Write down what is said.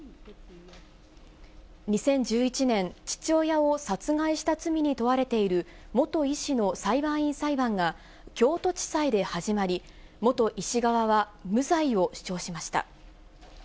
２０１１年、父親を殺害した罪に問われている元医師の裁判員裁判が、京都地裁で始まり、元医師側は無罪を主張しました。